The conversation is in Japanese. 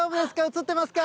映ってますか？